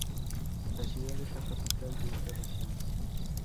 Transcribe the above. La ciudad es la capital de esta región.